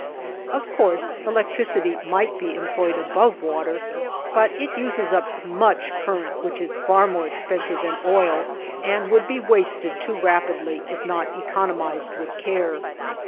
Of course electricity might be employed above water, but it uses up much current which is far more expensive than oil, and would be wasted too rapidly if not economized with care.